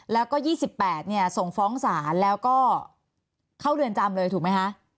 แล้วก็๒๘ส่งฟ้องศาลแล้วก็เข้าเรือนจำเลยถูกไหมคะ